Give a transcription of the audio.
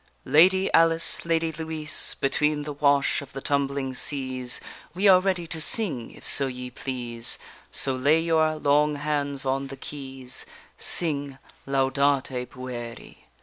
Lady Alice, lady Louise, Between the wash of the tumbling seas We are ready to sing, if so ye please; So lay your long hands on the keys; Sing, Laudate pueri.